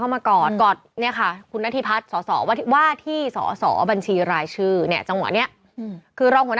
ร้องไห้เลยนะ